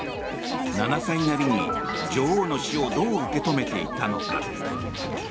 ７歳なりに、女王の死をどう受け止めていたのか。